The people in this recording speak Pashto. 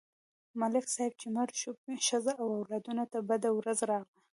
ملک صاحب چې مړ شو، ښځه او اولادونه ته بده ورځ راغله.